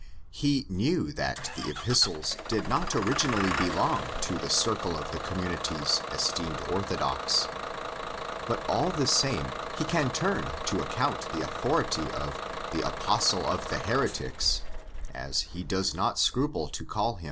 He knew that the Epistles did not originally belong to the circle of the communities esteemed orthodox ; but all the same he can turn to account the authority of ''the Apostle of the heretics," as he does not scruple to call him (Adv.